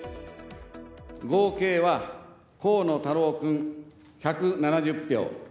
合計は河野太郎君、１７０票。